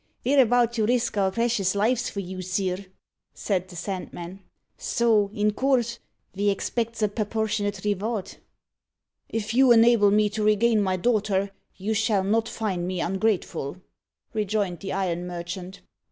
"Ve're about to risk our precious lives for you, sir," said the Sandman; "so, in coorse, ve expects a perportionate revard." "If you enable me to regain my daughter, you shall not find me ungrateful," rejoined the iron merchant.